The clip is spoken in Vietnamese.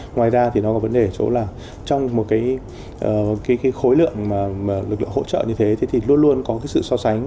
ngoài ra thì nó có vấn đề chỗ là trong một cái khối lượng mà lực lượng hỗ trợ như thế thì luôn luôn có cái sự so sánh